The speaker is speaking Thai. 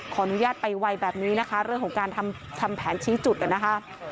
ขออนุญาตไปไวแบบนี้นะคะเรื่องของการทำแผนชี้จุดนะคะ